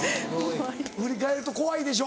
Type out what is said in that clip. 振り返ると怖いでしょ